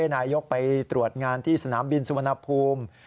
นายกไปตรวจงานที่สนามบินสุวรรณภูมิ